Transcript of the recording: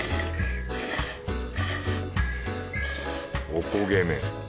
おこげ麺